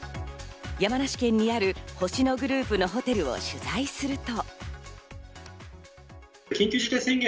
山梨県にある星野グループのホテルを取材すると。